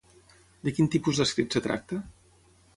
De quin tipus d'escrit es tracta?